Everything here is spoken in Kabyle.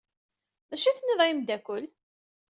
D acu ay tenniḍ a ameddakel?